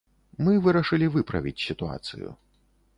Мы вырашылі выправіць сітуацыю.